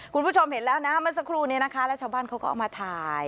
คุณผู้ชมเห็นแล้วนะเมื่อสักครู่นี้นะคะแล้วชาวบ้านเขาก็เอามาถ่าย